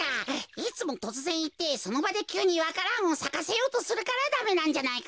いつもとつぜんいってそのばできゅうにわか蘭をさかせようとするからダメなんじゃないか？